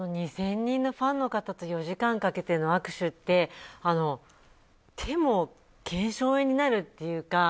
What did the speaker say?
２０００人ファンの方と４時間かけての握手って手も腱鞘炎になるっていうか。